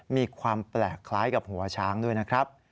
มีความแปลกคล้ายกับหัวช้างด้วยนะครับ